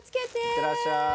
行ってらっしゃい。